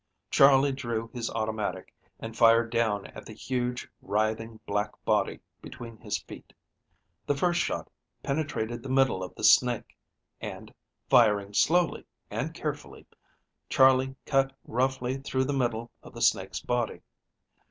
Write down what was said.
Charley drew his automatic and fired down at the huge, writhing, black body between his feet. The first shot penetrated the middle of the snake, and, firing slowly and carefully, Charley cut roughly through the middle of the snake's body.